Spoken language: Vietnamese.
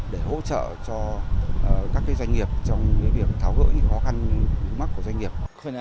để hỗ trợ cho các doanh nghiệp trong việc tháo gỡ những khó khăn mắc của doanh nghiệp